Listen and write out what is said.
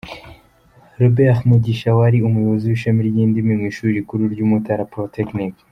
Robert Mugisha wari umuyobozi wishami ryindimi mu ishuri rikuru ryumutara polytechnic.